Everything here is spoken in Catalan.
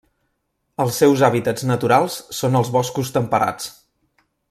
Els seus hàbitats naturals són els boscos temperats.